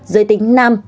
giới tính nam